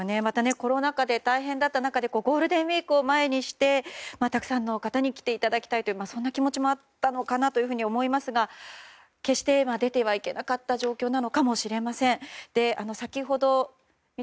コロナ禍で大変だった中でゴールデンウィークを前にしてたくさんの方に来ていただきたいという気持ちもあったのかと思いますが決して、出てはいけなかった状況なのかもしれません。